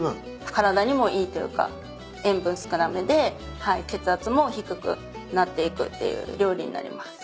体にもいいというか塩分少なめで血圧も低くなっていくっていう料理になります。